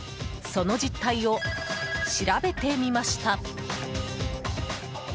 その実態を調べてみました。